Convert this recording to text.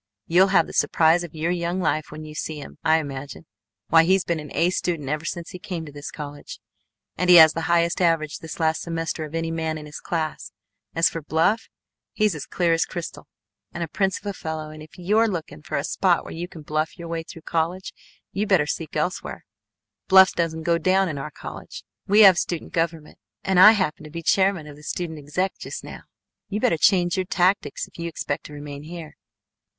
You'll have the surprise of your young life when you see him, I imagine. Why, he's been an A student ever since he came to this college, and he has the highest average this last semester of any man in his class. As for bluff, he's as clear as crystal, and a prince of a fellow; and if you're looking for a spot where you can bluff your way through college you better seek elsewhere. Bluff doesn't go down in our college. We have student government, and I happen to be chairman of the student exec. just now. You better change your tactics if you expect to remain here.